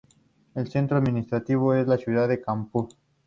El centro administrativo es la ciudad de Kanpur.